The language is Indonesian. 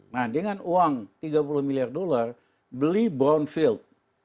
nah dengan uang tiga puluh miliar dolar beli brownfield